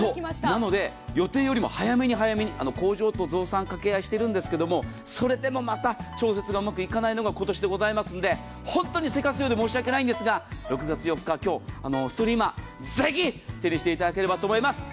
なので予定よりも早めに早めに工場と増産を掛け合いしているんですけどそれでもまた調整がうまくいかないのが今年ですので本当に、せかすようで申し訳ないんですが６月４日、今日ストリーマをぜひ、手にしていただければと思います。